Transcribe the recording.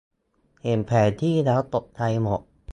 เห็นแผนที่แล้วตกใจหมด